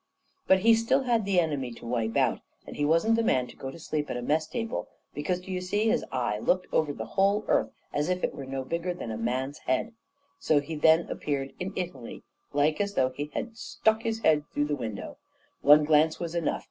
"But he still had the Enemy to wipe out; and he wasn't the man to go to sleep at a mess table, because, d'ye see, his eye looked over the whole earth as if it were no bigger than a man's head. So then he appeared in Italy, like as though he had stuck his head through the window. One glance was enough.